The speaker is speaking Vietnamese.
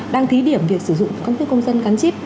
đang thí điểm việc sử dụng căn cức công dân căn chip